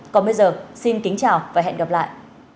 còn bây giờ xin kính chào và hẹn gặp lại